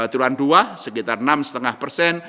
curan dua sekitar enam lima persen